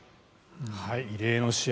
異例の試合